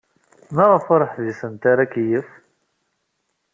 Maɣef ur ḥbisent ra akeyyef?